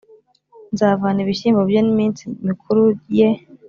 Nzavanaho ibyishimo bye n’iminsi mikuru ye,